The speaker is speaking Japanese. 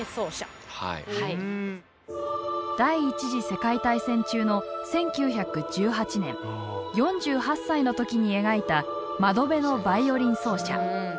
第１次世界大戦中の１９１８年４８歳の時に描いた「窓辺のヴァイオリン奏者」。